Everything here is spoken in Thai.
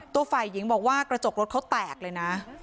ตัวฝ่ายหญิงบอกว่ากระจกรถเขาแตกเลยนะ